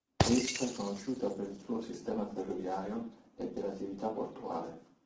Essa è conosciuta per il suo sistema ferroviario e per l'attività portuale.